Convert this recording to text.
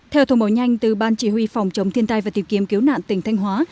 theo thông báo nhanh từ ban chỉ huy phòng chống thiên tai và tìm kiếm cứu nạn tỉnh thanh hóa